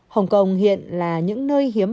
hồng kông hiện là những nơi hiếm